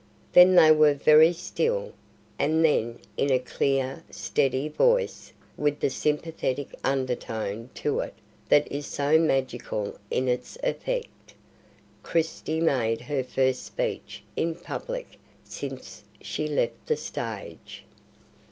Then they were very still, and then in a clear, steady voice, with the sympathetic undertone to it that is so magical in its effect, Christie made her first speech in public since she left the stage.